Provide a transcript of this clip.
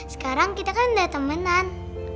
sekarang kita kan udah temenan